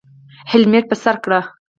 هیلمټ په سر کړئ